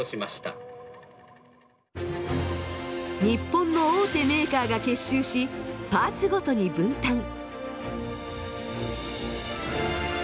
日本の大手メーカーが結集しパーツごとに分担。